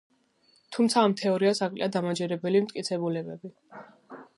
თუმცა, ამ თეორიას აკლია დამაჯერებელი მტკიცებულებები.